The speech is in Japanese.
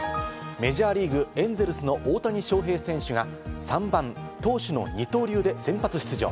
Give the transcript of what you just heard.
メジャーリーグ・エンゼルスの大谷翔平選手が３番・投手の二刀流で先発出場。